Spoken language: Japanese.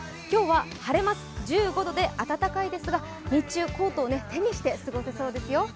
今日は晴れます、１５度で暖かいですが、日中、コートを手にして過ごせそうですよ。